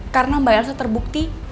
karena mbak elsa terbukti